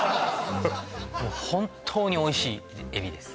もう本当においしいエビです